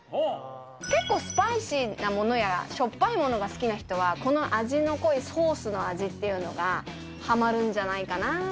結構、スパイシーなものやら、しょっぱいものが好きな人は、この味の濃いソースの味っていうのが、はまるんじゃないかなぁ。